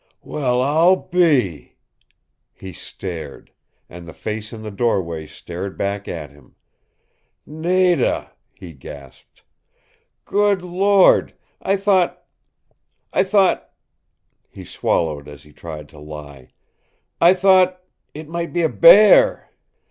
"Well, I'll be " He stared. And the face in the doorway stared back at him. "Nada!" he gasped. "Good Lord, I thought I thought " He swallowed as he tried to lie. "I thought it might be a bear!"